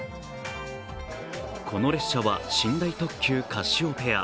この列車は寝台特急カシオペア。